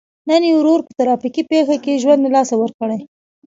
نن یې ورور په ترافیکي پېښه کې ژوند له لاسه ورکړی.